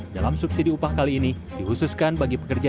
dalam subsidi upah kali ini dihususkan bagi pekerja